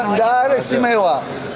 nggak ada istimewa